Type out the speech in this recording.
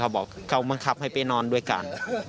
บอกเขาบังคับให้ไปนอนด้วยกัน